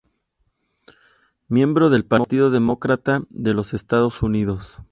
Miembro del Partido Demócrata de los Estados Unidos.